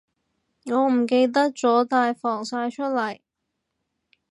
我唔記得咗帶防曬出嚟